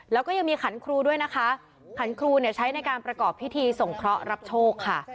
แล้วก็ยังมีขันครูด้วยนะคะขันครูเนี่ยใช้ในการประกอบพิธีส่งเคราะห์รับโชคค่ะ